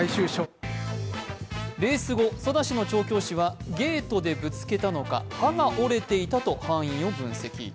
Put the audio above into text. レース後、ソダシの調教師は、ゲートでぶつけたのか歯が折れていたと敗因を分析。